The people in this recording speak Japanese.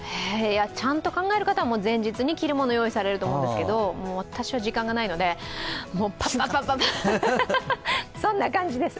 ちゃんと考える方は前日に着るものを用意されると思うんですけど、私は時間がないので、パッパッパッと、そんな感じです。